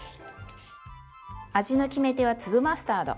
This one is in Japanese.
味の決め手は粒マスタード。